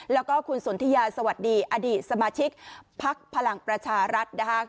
แล้วก็คุณสนทิยาสวัสดีอดีตสมาชิกพักพลังประชารัฐนะคะ